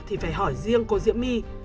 thì phải hỏi riêng cô diễm my